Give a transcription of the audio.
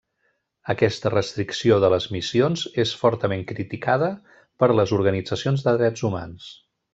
Aquesta restricció de les missions és fortament criticada per les organitzacions de drets humans.